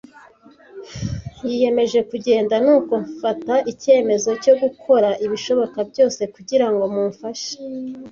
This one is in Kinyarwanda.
Yiyemeje kugenda, nuko mfata icyemezo cyo gukora ibishoboka byose kugira ngo mumfashe.